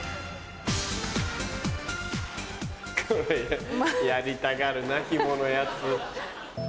これやりたがるなひものやつ。